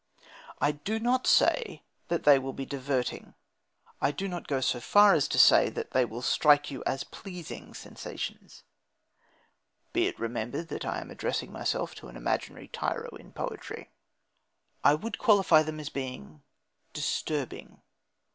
I do not say that they will be diverting. I do not go so far as to say that they will strike you as pleasing sensations. (Be it remembered that I am addressing myself to an imaginary tyro in poetry.) I would qualify them as being "disturbing."